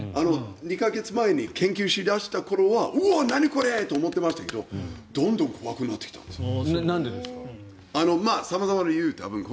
２か月前に研究し出した時は何これ！って思ってましたけどどんどん怖くなってきました。